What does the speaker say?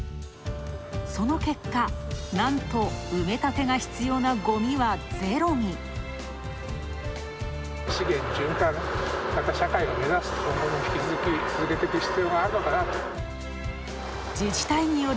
その結果、なんと埋め立てが必要なごみはゼロに。